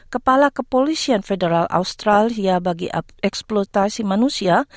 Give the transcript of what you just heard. kepala kepolisian federal australia bagi eksploitasi manusia